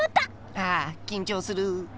ああきんちょうする。